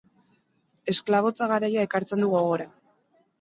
Esklabotza garaia ekartzen du gogora.